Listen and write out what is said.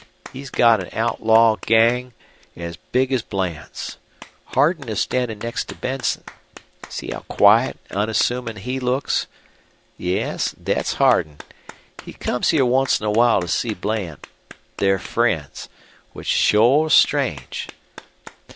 He's got an outlaw gang as big as Bland's. Hardin is standin' next to Benson. See how quiet an' unassumin' he looks. Yes, thet's Hardin. He comes here once in a while to see Bland. They're friends, which's shore strange.